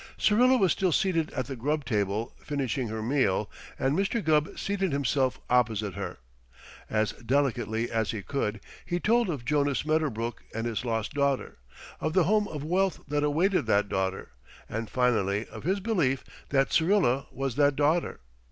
Syrilla was still seated at the grub table, finishing her meal, and Mr. Gubb seated himself opposite her. As delicately as he could, he told of Jonas Medderbrook and his lost daughter, of the home of wealth that awaited that daughter, and finally, of his belief that Syrilla was that daughter.